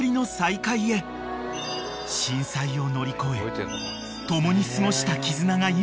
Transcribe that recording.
［震災を乗り越え共に過ごした絆が今再び］